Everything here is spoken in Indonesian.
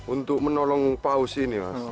untuk menolong paus ini